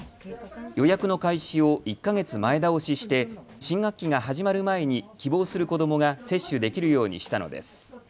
予約の開始を１か月前倒しして新学期が始まる前に希望する子どもが接種できるようにしたのです。